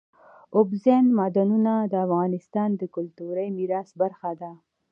اوبزین معدنونه د افغانستان د کلتوري میراث برخه ده.